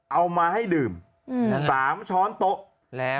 เอามาให้ดื่ม๓ช้อนตก